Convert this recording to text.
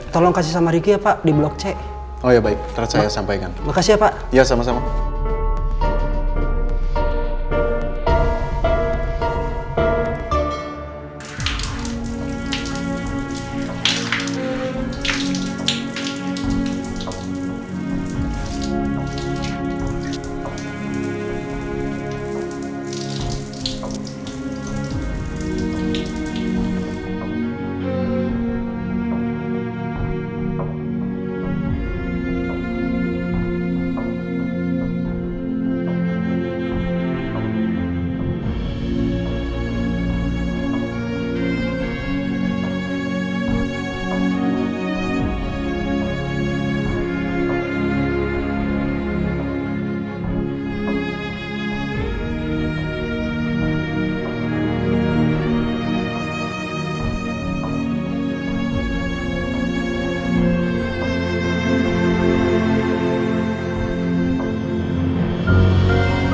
tolong kasih sama ricky ya pak di blog c